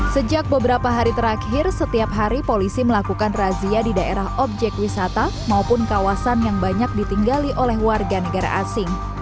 sejak beberapa hari terakhir setiap hari polisi melakukan razia di daerah objek wisata maupun kawasan yang banyak ditinggali oleh warga negara asing